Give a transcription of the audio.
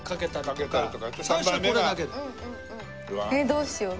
どうしよう？